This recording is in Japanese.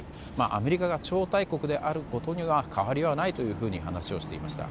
アメリカが超大国であることには変わりはないと話していました。